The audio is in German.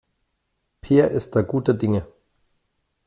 Peer ist da guter Dinge.